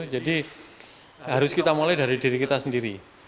jadi harus kita mulai dari diri kita sendiri